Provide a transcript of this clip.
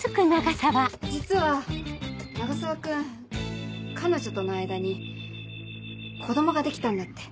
実は永沢君彼女との間に子供ができたんだって。